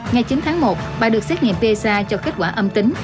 ngày chín tháng một bà được xét nghiệm psa cho kết quả âm tính